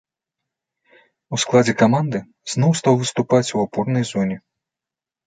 У складзе каманды зноў стаў выступаць у апорнай зоне.